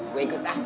gue ikut lah